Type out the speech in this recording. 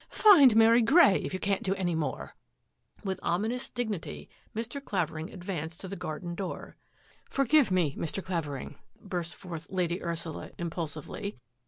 Find Mary Grey, if you can't do any more." With ominous dignity Mr. Clavering advanced to the garden door. "Forgive me, Mr. Clavering," burst forth Lady Ursula impulsively.